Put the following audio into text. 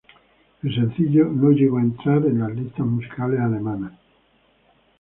El sencillo no llegó a entrar en las listas musicales alemanas.